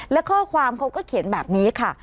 แล้วก็เขาค์แล้วก็เขียนแบบนี้ค่ะ